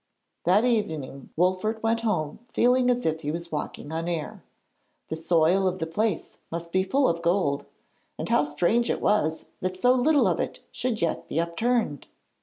That evening Wolfert went home feeling as if he was walking on air. The soil of the place must be full of gold, and how strange it was that so little of it should yet be upturned!